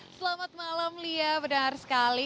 selamat malam lia benar sekali